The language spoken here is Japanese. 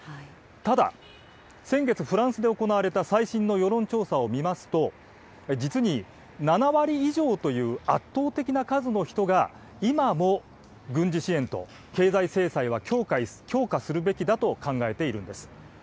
ただ、先月、フランスで行われた最新の世論調査を見ますと、実に、７割以上という圧倒的な数の人が、今も軍事支援と経済制裁は強化するべきだと考えているんです。